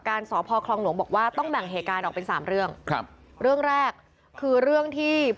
เคยถูกดัดปลาระเบิดกันเลยเหรอเนี่ย